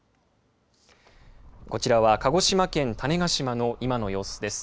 こちらは鹿児島県種子島の今の様子です。